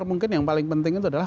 mungkin yang paling penting itu adalah